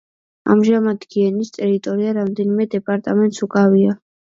ამჟამად გიენის ტერიტორია რამდენიმე დეპარტამენტს უკავია.